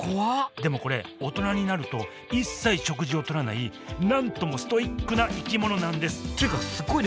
でもこれ大人になると一切食事をとらない何ともストイックな生き物なんですっていうかすごいね！